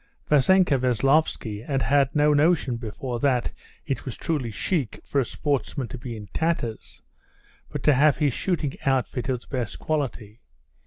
Vassenka Veslovsky had had no notion before that it was truly chic for a sportsman to be in tatters, but to have his shooting outfit of the best quality.